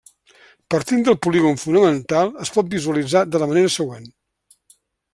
Partint del polígon fonamental, es pot visualitzar de la manera següent.